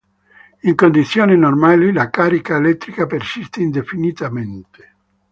In condizioni normali la carica elettrica persiste indefinitamente.